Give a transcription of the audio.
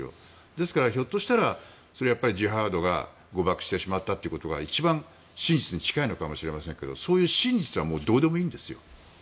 ですからひょっとしたらそれはジハードが誤爆してしまったということが一番真実に近いのかもしれませんがそういう真実はもうどうでもいいんですよ。